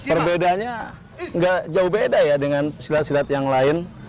perbedanya tidak jauh beda dengan silat silat yang lain